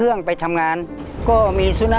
เรื่องทางต้องขีด